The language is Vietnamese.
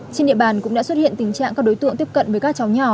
trên địa bàn cũng đã xuất hiện tình trạng các đối tượng tiếp cận với các cháu nhỏ